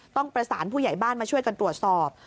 ต้องประสานผู้ใหญ่บ้านมาช่วยกันตรวจสอบ